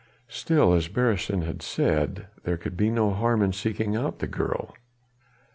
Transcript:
Still as Beresteyn had said: there could be no harm in seeking out the girl.